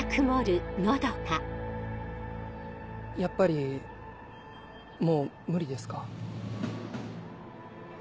やっぱりもう無理ですか？